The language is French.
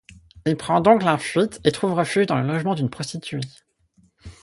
Il prend donc la fuite et trouve refuge dans le logement d'une prostituée.